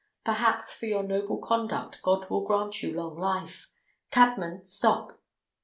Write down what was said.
Perhaps for your noble conduct God will grant you long life. Cabman, stop!"